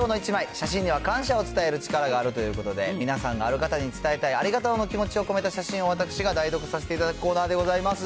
写真には感謝を伝える力があるということで、皆さんがある方に伝えたいありがとうの気持ちを込めた写真を私が代読させていただくコーナーでございます。